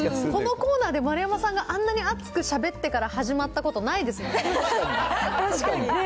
このコーナーで丸山さんがあんなに熱くしゃべってから始まっ確かに。